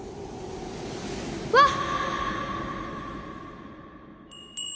わっ！